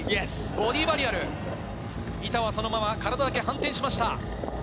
ボディーバリアル、板はそのまま、体だけ反転しました。